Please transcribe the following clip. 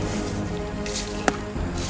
aku juga begitu